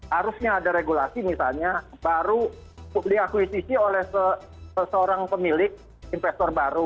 harusnya ada regulasi misalnya baru diakuisisi oleh seorang pemilik investor baru